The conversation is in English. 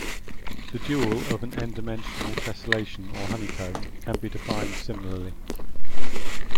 The dual of an "n"-dimensional tessellation or honeycomb can be defined similarly.